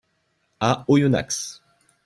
À Oyonnax.